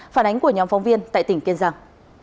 phản ánh của nhóm phóng viên tại tỉnh kiên giang